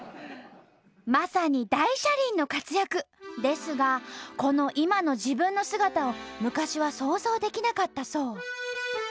まさに大車輪の活躍！ですがこの今の自分の姿を昔は想像できなかったそう。